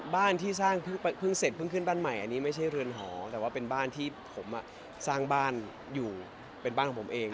บ้านที่สร้างเพิ่งเสร็จเพิ่งขึ้นบ้านใหม่อันนี้ไม่ใช่เรือนหอแต่ว่าเป็นบ้านที่ผมสร้างบ้านอยู่เป็นบ้านของผมเอง